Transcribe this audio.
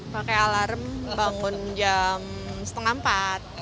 pakai alarm bangun jam setengah empat